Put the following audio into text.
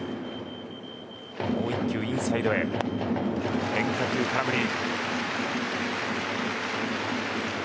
もう１球、インサイド変化球、空振り。